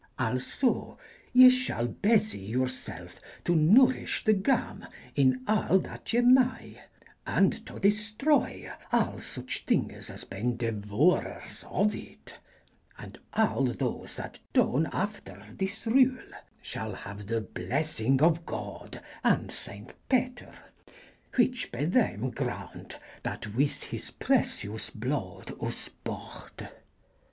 Also ye shall besye yourselfe to nouryssh the game in all that ye maye: & to dystroye all such thynges as ben devourers of it. And all those that done after this rule shall haue the blessynge of god & saynt Petyr, whyche be theym graunte that wyth his precyous blood vs boughte.